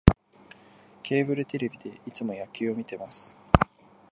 ケーブルテレビでいつも野球を観てます